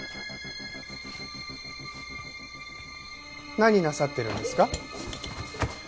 何なさってるんですか？